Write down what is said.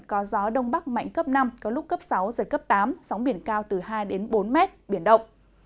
có gió đông bắc mạnh cấp năm có lúc cấp sáu giật cấp tám sóng biển cao từ hai bốn mét biển động